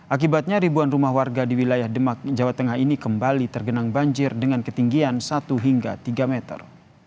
akibatnya ribuan rumah warga di wilayah demak jawa tengah ini kembali tergenang banjir dengan ketinggian satu hingga tiga meter